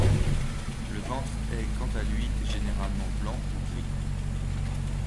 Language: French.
Le ventre est quant à lui généralement blanc ou gris.